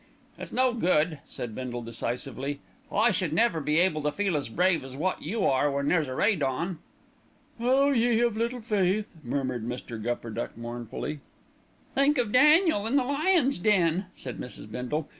"It's no good," said Bindle decisively. "I should never be able to feel as brave as wot you are when there's a raid on." "'Oh ye of little faith!'" murmured Mr. Gupperduck mournfully. "Think of Daniel in the lions' den," said Mrs. Bindle.